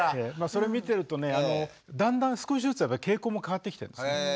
それ見てるとねだんだん少しずつやっぱり傾向も変わってきてるんですね。